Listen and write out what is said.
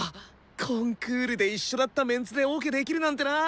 コンクールで一緒だったメンツでオケできるなんてな。